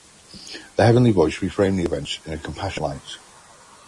The heavenly voice reframed the events in a compassionate light.